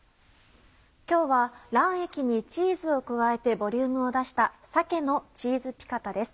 今日は卵液にチーズを加えてボリュームを出した「鮭のチーズピカタ」です。